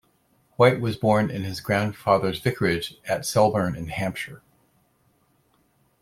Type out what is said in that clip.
White was born in his grandfather's vicarage at Selborne in Hampshire.